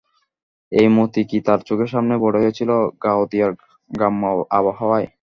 এই মতি কি তার চোখের সামনে বড় হইয়াছিল গাওদিয়ার গ্রাম্য আবহাওয়ায়?